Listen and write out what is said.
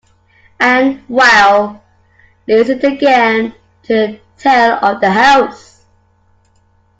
And Raoul listened again to the tale of the house.